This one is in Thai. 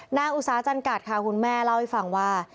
อุตสาจันกัดค่ะคุณแม่เล่าให้ฟังว่า